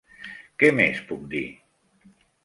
Què més puc dir?